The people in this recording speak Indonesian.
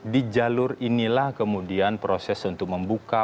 di jalur inilah kemudian proses untuk membuka